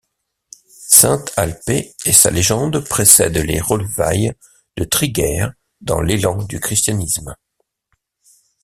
Sainte Alpais et sa légende précèdent les relevailles de Triguères dans l'élan du christianisme.